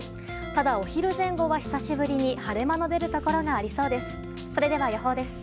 ただ、お昼前後は久しぶりに晴れ間の出るところがありそうです。